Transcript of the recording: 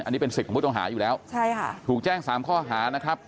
อันนี้เป็นสิทธิ์ของผู้ต้องหาอยู่แล้วใช่ค่ะถูกแจ้งสามข้อหานะครับ